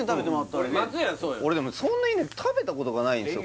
俺でもそんなに食べたことがないんですよ